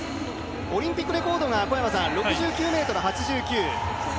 オリンピックレコードが６９ｍ８９。